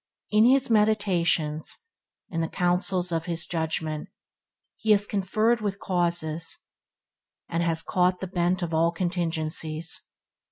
In his meditations, in the counsels of his judgement, he has conferred with causes, and has caught the bent of all contingencies.